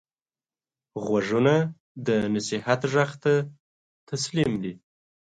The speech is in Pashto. غوږونه د نصیحت غږ ته تسلیم دي